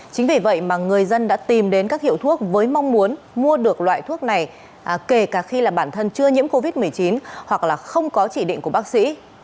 chính vì vậy mà người dân đã tìm đến các hiệu thuốc với mong muốn mua được loại thuốc này kể cả khi là bản thân chưa nhiễm covid một mươi chín hoặc là không có chỉ định của bác sĩ